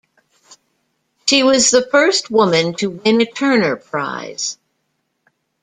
She was the first woman to win a Turner Prize.